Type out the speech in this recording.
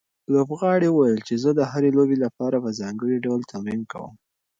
لوبغاړي وویل چې زه د هرې لوبې لپاره په ځانګړي ډول تمرین کوم.